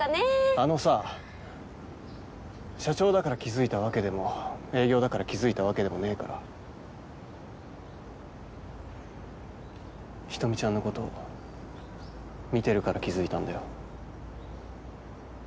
あのさ社長だから気づいたわけでも営業だから気づいたわけでもねえから人見ちゃんのこと見てるから気づいたんだよ